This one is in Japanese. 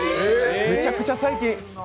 めちゃくちゃ最近。